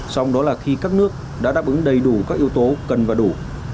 xong đó là khi các nước đã đáp ứng đầy đủ các yếu tố cần và đủ